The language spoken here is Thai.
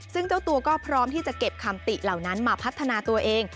ซึ่งเจ้าตัวก็พร้อมที่จะเก็บคำติเหล่านั้นมาพัฒนาตัวเอง